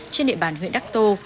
trên địa bàn huyện đắc tô